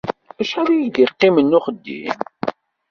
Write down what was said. Acḥal ay ak-d-yeqqimen n uxeddim?